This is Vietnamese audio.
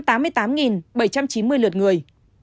trong một trăm tám mươi tám bảy trăm chín mươi lượt người